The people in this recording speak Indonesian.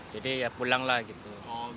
jadi ya pulanglah gitu